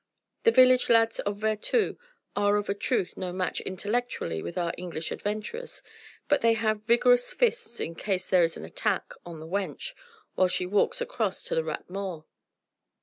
The village lads of Vertou are of a truth no match intellectually with our English adventurers, but they have vigorous fists in case there is an attack on the wench while she walks across to the Rat Mort."